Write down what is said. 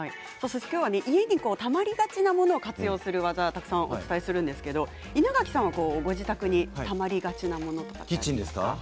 きょうは家にたまりがちなものを活用する技をたくさんお伝えするんですけれども稲垣さんはご自宅にたまりがちなものはありますか？